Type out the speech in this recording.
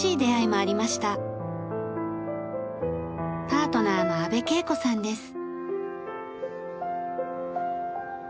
パートナーの阿部圭子さんです。